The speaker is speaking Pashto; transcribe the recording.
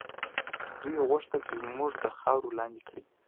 دوی غوښتل چې موږ د خاورو لاندې کړي.